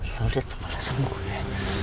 lo ditempat sama gue